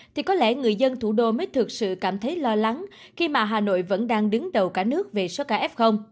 thì có lẽ người dân thủ đô mới thực sự cảm thấy lo lắng khi mà hà nội vẫn đang đứng đầu cả nước về số ca f